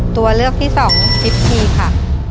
ตัวเลือกที่สองซิปพีค่ะ